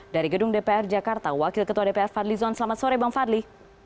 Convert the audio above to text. dari gedung dpr jakarta wakil ketua dpr fadlizon selamat sore bang fadli